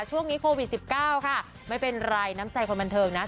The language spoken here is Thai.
ช่วงนี้โควิด๑๙ค่ะไม่เป็นไรน้ำใจคนบันเทิงนะ